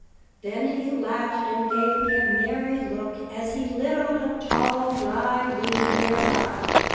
"Then he laughed, and gave me a merry look as he lit on a tall, dry weed near by.